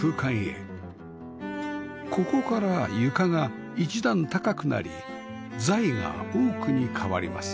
ここから床が一段高くなり材がオークに変わります